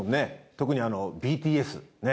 特にＢＴＳね。